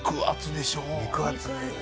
肉厚。